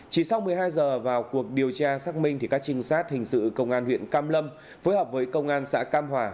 chỉ sau một mươi hai giờ vào cuộc điều tra xác minh các trinh sát hình sự công an huyện cam lâm phối hợp với công an xã cam hòa